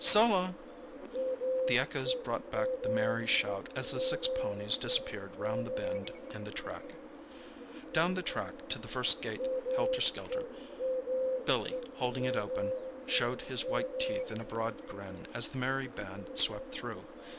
"So long!" The echoes brought back the merry shout as the six ponies disappeared round the bend in the track. Down the track to the first gate helter skelter—Billy, holding it open, showed his white teeth in a broad grin as the merry band swept through.